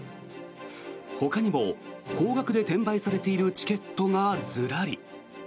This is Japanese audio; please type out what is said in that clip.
ほかにも高額で転売されているチケットがずらり。